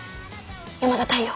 山田太陽。